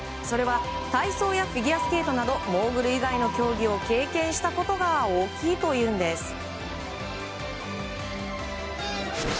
それは体操やフィギュアスケートなどモーグル以外の競技を経験したことが大きいというんです。